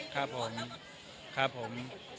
ครับผม